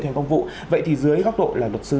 thành công vụ vậy thì dưới góc độ là luật sư